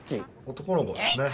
男の子ですね。